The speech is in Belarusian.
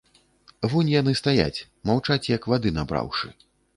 Вунь яны стаяць, маўчаць як вады набраўшы.